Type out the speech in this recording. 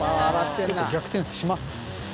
逆転します。